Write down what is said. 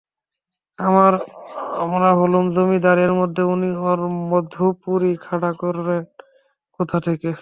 আমরা হলুম জমিদার, এর মধ্যে উনি ওঁর মধুপুরী খাড়া করেন কোথা থেকে?